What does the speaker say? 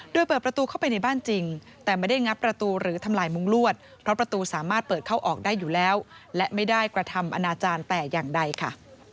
โดยเปิดประตูเข้าไปในบ้านจริงแต่ไม่ได้งัดประตูหรือทำลายมุ้งลวดเพราะประตูสามารถเปิดเข้าออกได้อยู่แล้วและไม่ได้กระทำอนาจารย์แต่อย่างใดค่ะ